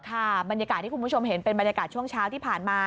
บรรยากาศที่คุณผู้ชมเห็นเป็นบรรยากาศช่วงเช้าที่ผ่านมา